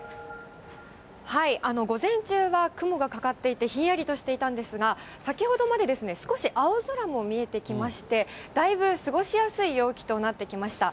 午前中は雲がかかっていて、ひんやりとしていたんですが、先ほどまで少し青空も見えてきまして、だいぶ過ごしやすい陽気となってきました。